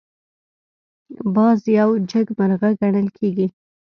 باز یو جګمرغه ګڼل کېږي